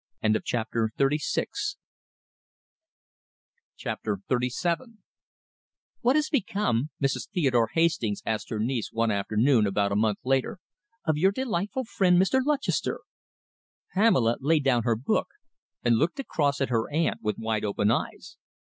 CHAPTER XXXVII "What has become," Mrs. Theodore Hastings asked her niece one afternoon about a month later, "of your delightful friend, Mr. Lutchester?" Pamela laid down her book and looked across at her aunt with wide open eyes.